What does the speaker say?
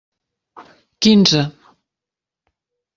Quinze.